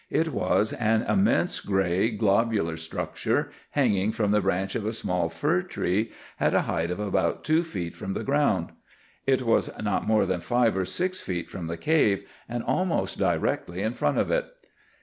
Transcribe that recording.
"It was an immense gray globular structure, hanging from the branch of a small fir tree, at a height of about two feet from the ground. It was not more than five or six feet from the cave, and almost directly in front of it.